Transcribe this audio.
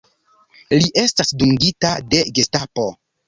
Li estas dungita de Gestapo.